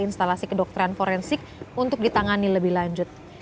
instalasi kedokteran forensik untuk ditangani lebih lanjut